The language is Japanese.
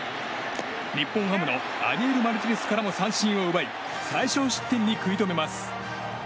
日本ハムのアリエル・マルティネスからも三振を奪い最少失点に食い止めます。